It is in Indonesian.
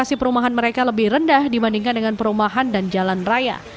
lokasi perumahan mereka lebih rendah dibandingkan dengan perumahan dan jalan raya